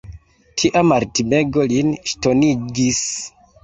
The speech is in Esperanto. Tia maltimego lin ŝtonigis.